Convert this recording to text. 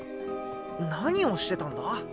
何をしてたんだ？